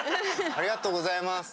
ありがとうございます。